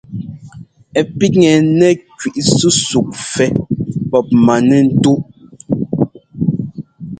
Ɛ píkŋɛ nɛ́ kẅí súsúk fɛ́ pɔp manɛ́ntúʼ.